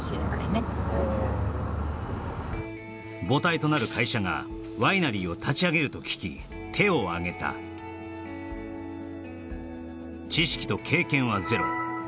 母体となる会社がワイナリーを立ち上げると聞き手をあげた知識と経験はゼロ